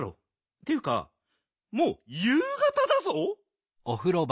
っていうかもう夕がただぞ。